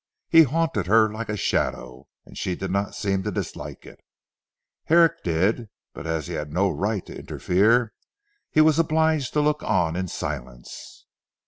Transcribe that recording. He haunted her like a shadow, and she did not seem to dislike it. Herrick did, but as he had no right to interfere he was obliged to look on in silence.